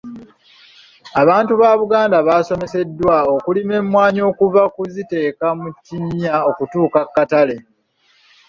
Abantu ba Buganda basomeseddwa okulima emmwanyi okuva ku kuziteeka mu kinnya okutuuka ku katale.